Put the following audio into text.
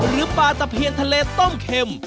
หรือปลาตะเพียงทะเลต้มเค็ม